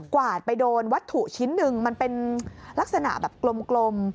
วาดไปโดนวัตถุชิ้นหนึ่งมันเป็นลักษณะแบบกลม